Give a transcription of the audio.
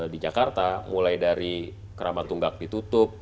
di jakarta mulai dari kerabat tunggak ditutup